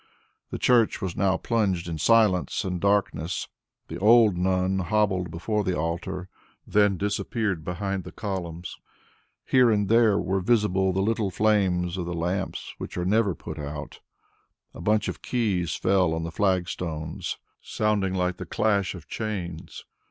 The church was now plunged in silence and darkness; the old nun hobbled before the altar, then disappeared behind the columns. Here and there were visible the little flames of the lamps which are never put out. A bunch of keys fell on the flag stones, sounding like the clash of chains.